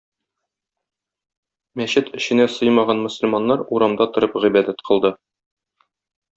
Мәчет эченә сыймаган мөселманнар урамда торып гыйбадәт кылды.